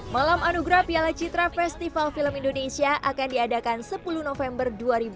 malam anugerah piala citra festival film indonesia akan diadakan sepuluh november dua ribu dua puluh